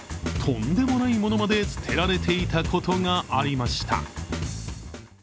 とんでもない物まで捨てられていたことがありました。